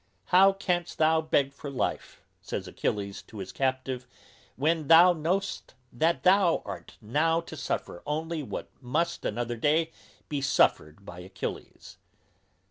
How canst thou beg for life, says Achilles to his captive, when thou knowest that thou art now to suffer only what must another day be suffered by _Achilles?